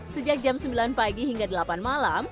sejak jam sembilan pagi hingga delapan malam